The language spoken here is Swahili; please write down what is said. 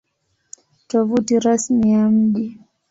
Tovuti Rasmi ya Mji